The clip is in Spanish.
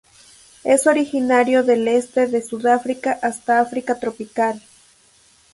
Es originario del este de Sudáfrica hasta África tropical.